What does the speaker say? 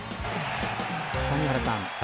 谷原さん